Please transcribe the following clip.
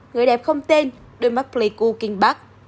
người đẹp không tên đôi mắt pleiku kinh bắc